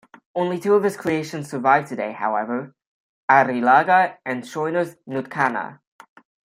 Only two of his creations survive today, however: 'Arrilaga' and 'Schoener's Nutkana'.